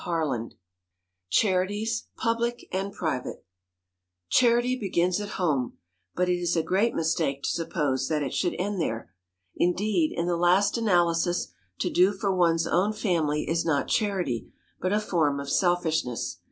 CHAPTER XXXV CHARITIES, PUBLIC AND PRIVATE CHARITY begins at home, but it is a great mistake to suppose that it should end there. Indeed, in the last analysis, to do for one's own family is not charity, but a form of selfishness.